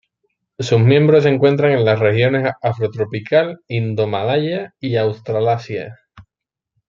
Sus miembros se encuentran en las regiones afrotropical, indomalaya y Australasia.